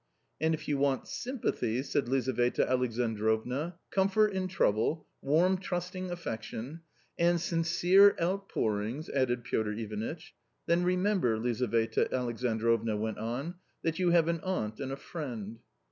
" And if you want sympathy," said Lizaveta Alexandrovna, " comfort in trouble, warm trusting affection "" And sincere outpourings," added Piotr Ivanitch. " Then remember," Lizaveta Alexandrovna went on, " that you have an aunt and a friend."